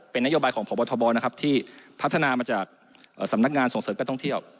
เป็นนโยบายของพบทบนะครับที่พัฒนามาจากสำนักงานส่งเสริมการท่องเที่ยว